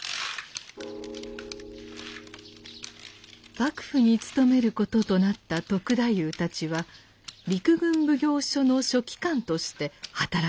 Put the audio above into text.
幕府に勤めることとなった篤太夫たちは陸軍奉行所の書記官として働き始めました。